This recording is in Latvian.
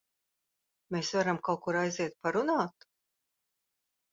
Mēs varam kaut kur aiziet parunāt?